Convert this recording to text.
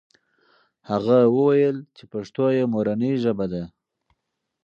هغه وویل چې پښتو یې مورنۍ ژبه ده.